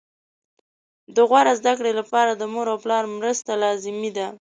د غوره زده کړې لپاره د مور او پلار مرسته لازمي ده